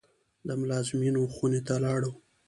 د ملازمینو خونې ته لاړو.